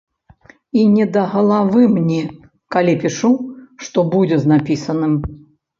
І не да галавы мне, калі пішу, што будзе з напісаным.